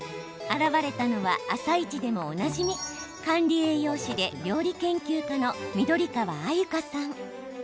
現れたのは「あさイチ」でもおなじみ管理栄養士で料理研究家の緑川鮎香さん。